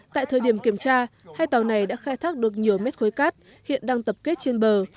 tại thời điểm kiểm tra hai tàu này đã khai thác được nhiều mét khối cát hiện đang tập kết trên bờ